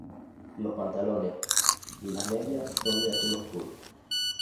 Los pantalones y las medias son de azul oscuro.